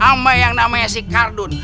sama yang namanya si kardun